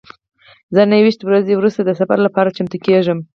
زه نهه ویشت ورځې وروسته د سفر لپاره چمتو کیږم.